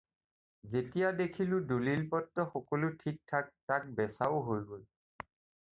যেতিয়া দেখিলোঁ দলিল পত্ৰ সকলো ঠিকঠাক, তাক বেচাও হৈ গ'ল